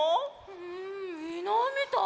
んいないみたい。